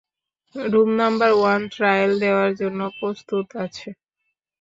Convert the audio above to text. Room number one trial দেওয়ার জন্য প্রস্তুত আছে।